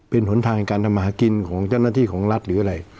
เป็นหนทางการทำมาหากินของเจ้าหน้าที่ของรัฐหรืออะไร